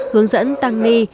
hướng dẫn tăng nghi